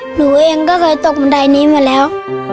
หนูเองก็เคยตกบันไดนี้มาแล้ว